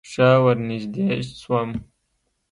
ښه ورنژدې سوم.